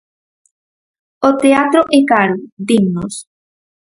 O teatro é caro, dinnos.